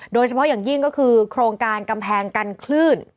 โดยเฉพาะอย่างยิ่งก็คือโครงการกำแพงกันคลื่น